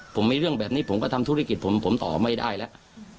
ผมมีเรื่องแบบนี้ผมก็ทำธุรกิจผมผมต่อไม่ได้แล้ว